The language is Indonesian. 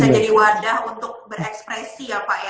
dan juga bisa jadi wadah untuk berekspresi